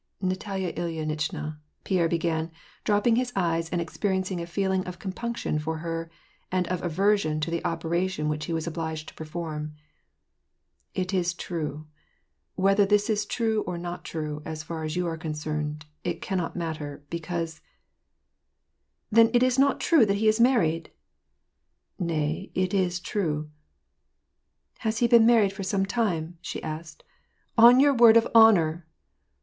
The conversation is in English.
" Natalya Ilyinitchna," Pierre began, dropping his eyes, and experiencing a feeling of compunction for her, and of aversion to the operation which he was obliged to perform, '^ it is true ; but whether this is true or not true, as far as you are concerned, it cannot matter, because "—" Then it is not true that he is married ?"" Nay, it is true." " Has he been married for some time ?" she asked. " On your word of honor